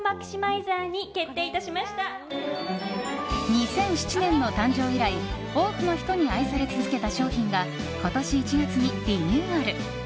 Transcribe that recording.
２００７年の誕生以来多くの人に愛され続けた商品が今年１月にリニューアル。